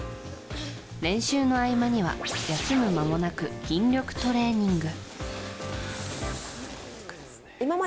練習の合間には休む間もなく筋力トレーニング。